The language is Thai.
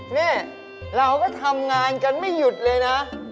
นี่เราก็ทำงานกันไม่หยุดเลยนะ